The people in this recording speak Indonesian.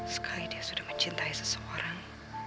sekali dia sudah mencintai seseorang